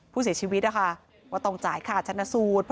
ผู้เสียชีวิตนะคะว่าต้องจ่ายค่าชันสูตร